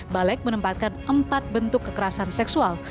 balek menempatkan empat bentuk kekerasan seksual